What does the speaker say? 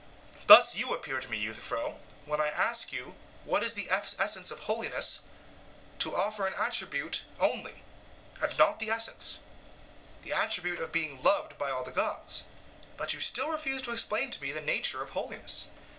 Thus you appear to me, Euthyphro, when I ask you what is the essence of holiness, to offer an attribute only, and not the essence the attribute of being loved by all the gods. But you still refuse to explain to me the nature of holiness.